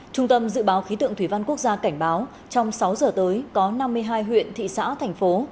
trung tâm dự báo khí tượng thủy văn quốc gia cảnh báo trong sáu giờ tới có năm mươi hai huyện thị xã thành phố